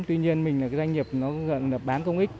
tuy nhiên mình là doanh nghiệp nó gần là bán công ích